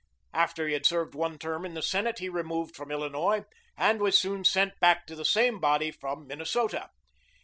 After he had served one term in the Senate, he removed from Illinois, and was soon sent back to the same body from Minnesota.